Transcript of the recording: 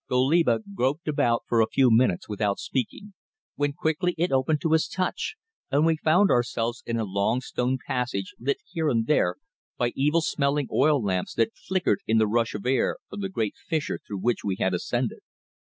Goliba groped about for a few minutes without speaking, when quickly it opened to his touch and we found ourselves in a long stone passage lit here and there by evil smelling oil lamps that flickered in the rush of air from the great fissure through which we had ascended.